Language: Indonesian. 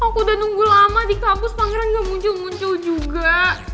aku udah nunggu lama di kampus pangeran gak muncul muncul juga